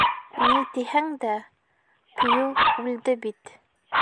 Ни тиһәң дә, Пью үлде бит.